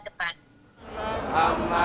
dan itu yang kami cek